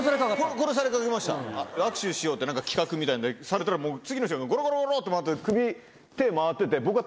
握手しようってなんか企画みたいなのでされたらもう次の瞬間ゴロゴロゴロゴロって回って首手回ってて僕が。